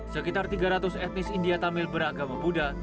sekitar tiga ratus etnis india tersebut